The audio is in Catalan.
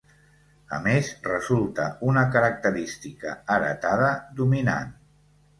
A més resulta una característica heretada dominant.